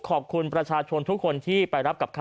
ขอบคุณประชาชนทุกคนที่ไปรับกับข้าว